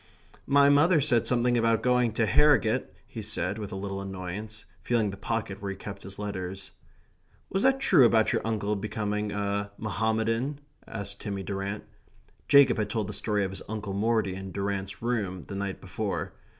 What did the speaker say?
"My mother said something about going to Harrogate," he said with a little annoyance, feeling the pocket where he kept his letters. "Was that true about your uncle becoming a Mohammedan?" asked Timmy Durrant. Jacob had told the story of his Uncle Morty in Durrant's room the night before.